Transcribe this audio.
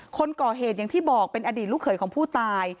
คนก่อเหตุอย่างที่บอกเป็นอดีตลูกเขยของผู้ตาย